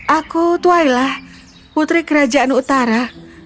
aku twailah putri kerajaan utara